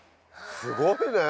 すごいね！